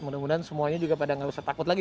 mudah mudahan semuanya juga pada nggak usah takut lagi